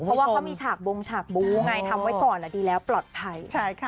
เพราะว่าเขามีฉากบงฉากบู้ไงทำไว้ก่อนดีแล้วปลอดภัย